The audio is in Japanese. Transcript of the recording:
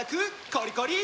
コリコリ！